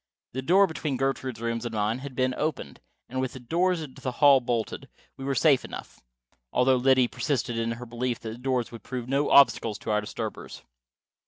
The door between Gertrude's rooms and mine had been opened, and, with the doors into the hall bolted, we were safe enough. Although Liddy persisted in her belief that doors would prove no obstacles to our disturbers.